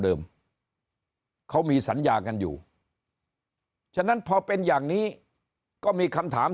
เดิมเขามีสัญญากันอยู่ฉะนั้นพอเป็นอย่างนี้ก็มีคำถาม